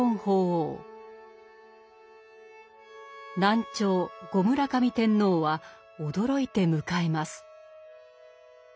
南朝・後村上天皇は驚いて迎えます。